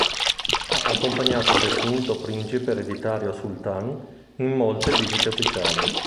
Ha accompagnato il defunto principe ereditario Sultan in molte visite ufficiali.